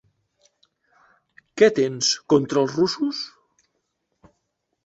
Què tens contra els russos?